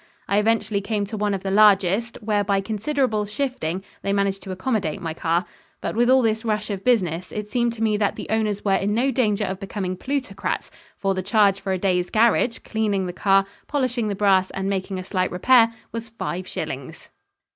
I eventually came to one of the largest, where by considerable shifting they managed to accommodate my car. But with all this rush of business, it seemed to me that the owners were in no danger of becoming plutocrats, for the charge for a day's garage, cleaning the car, polishing the brass and making a slight repair, was five shillings.